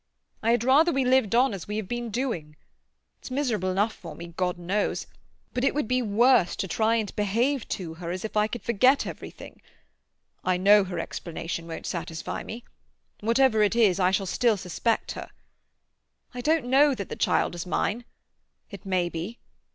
I had rather we lived on as we have been doing. It's miserable enough for me, God knows; but it would be worse to try and behave to her as if I could forget everything. I know her explanation won't satisfy me. Whatever it is I shall still suspect her. I don't know that the child is mine. It may be.